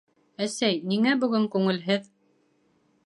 — Әсәй, ниңә бөгөн күңелһеҙ?